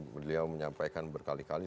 beliau menyampaikan berkali kali